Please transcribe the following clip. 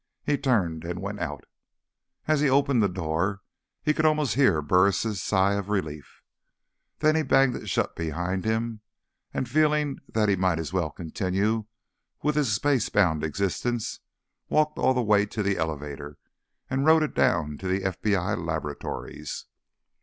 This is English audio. He turned and went out. As he opened the door, he could almost hear Burris' sigh of relief. Then he banged it shut behind him and, feeling that he might as well continue with his space bound existence, walked all the way to the elevator, and rode it downstairs to the FBI laboratories.